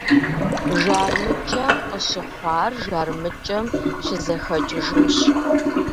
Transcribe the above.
ЖармыкӀэм къыщыхъуар жармыкӀэм щызэхэкӀыжынщ.